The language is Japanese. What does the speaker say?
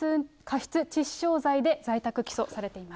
業務上過失致死傷罪で在宅起訴されています。